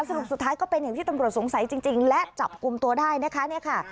สรุปสุดท้ายก็เป็นอย่างที่ตำรวจสงสัยจริงและจับกลุ่มตัวได้นะคะเนี่ยค่ะ